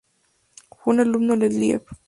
Fue un alumno de Liebig.